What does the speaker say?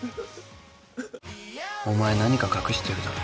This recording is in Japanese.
お前何か隠してるだろ。